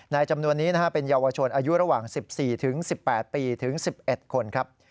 จำนวนนี้เป็นเยาวชนอายุระหว่าง๑๔๑๘ปีถึง๑๑คนครับ